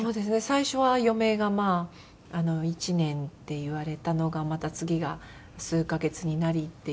最初は余命が１年って言われたのがまた次が数カ月になりっていう感じで。